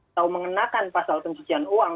atau mengenakan pasal pencucian uang